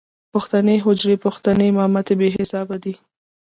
پښتنې حجرې، پښتنې مامتې بې صاحبه دي.